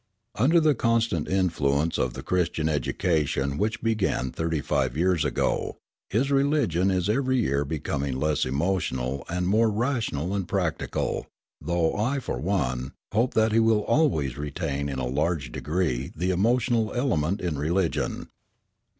Under the constant influence of the Christian education which began thirty five years ago, his religion is every year becoming less emotional and more rational and practical, though I, for one, hope that he will always retain in a large degree the emotional element in religion.